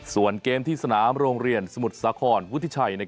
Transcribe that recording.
ส่วนเกมที่สนามโรงเรียนสมุทรสาครวุฒิชัย